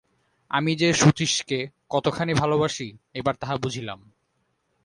আমি যে শচীশকে কতখানি ভালোবাসি এবার তাহা বুঝিলাম।